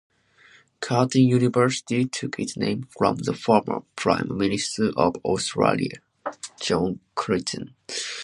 Curtin University took its name from the former Prime Minister of Australia, John Curtin.